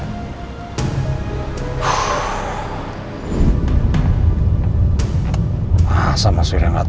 masa mas irfan gak tahu apa yang istrinya lakuin